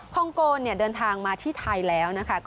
คองโกเดินทางมาที่ไทยแล้วนะคะ